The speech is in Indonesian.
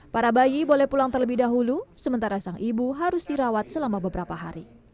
para bayi boleh pulang terlebih dahulu sementara sang ibu harus dirawat selama beberapa hari